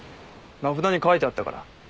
名札に書いてあったから。